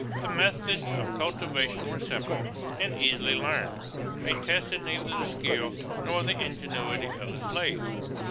The methods of cultivation were simple and easily learned. They tested neither the skill nor the ingenuity of the slaves.